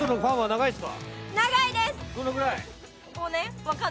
長いです。